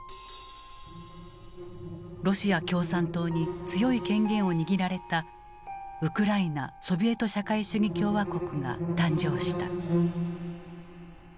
ロシア共産党に強い権限を握られたウクライナ・ソビエト社会主義共和国が誕生した。